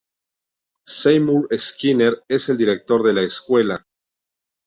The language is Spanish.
Seymour Skinner es el director de la escuela.